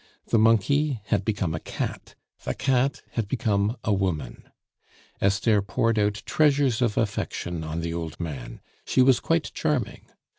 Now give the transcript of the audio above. The monkey had become a cat, the cat had become a woman. Esther poured out treasures of affection on the old man; she was quite charming.